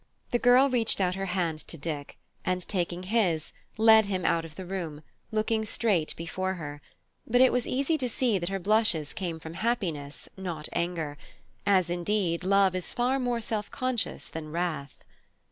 The girl reached out her hand to Dick, and taking his led him out of the room, looking straight before her; but it was easy to see that her blushes came from happiness, not anger; as, indeed, love is far more self conscious than wrath.